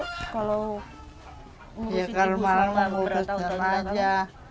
ya kalau malam ngurusin aja